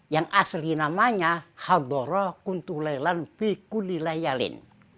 yang asli namanya hadhorah kuntulailan fi kulli layalin